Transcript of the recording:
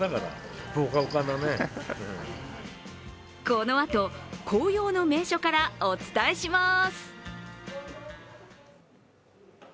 このあと、紅葉の名所からお伝えします。